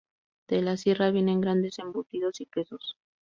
De la Sierra vienen grandes embutidos y quesos.